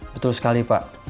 betul sekali pak